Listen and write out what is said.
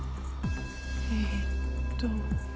えっと。